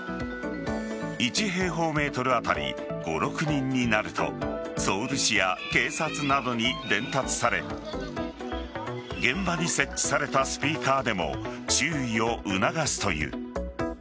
１平方ｍ当たり５６人になるとソウル市や警察などに伝達され現場に設置されたスピーカーでも注意を促すという。